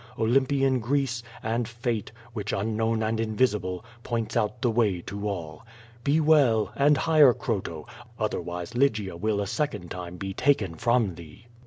Olym pian Greece, and Fate, which, unknown and invisible, points out the way to all. Be well, and hire Croto; otherwise Lygia will a second time be taken from thee.